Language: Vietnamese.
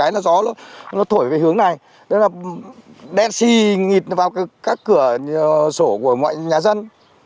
nó đã đen xì nghịt vào các cửa sổ của mọi nhà dân